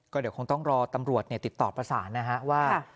เดี๋ยวคงต้องรอตำรวจติดต่อประสานนะฮะว่า